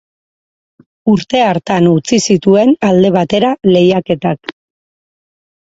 Urte hartan utzi zituen alde batera lehiaketak.